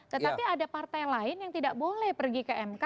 tetapi ada partai lain yang tidak boleh pergi ke mk